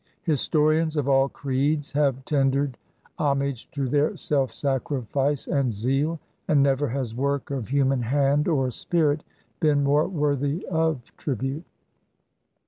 Historians of all creeds have tendered homage to their self sacrifice and zeal, and never has work of human hand or spirit been more worthy of tribute.